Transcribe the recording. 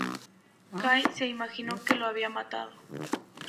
Kyle se imaginó que lo había matado.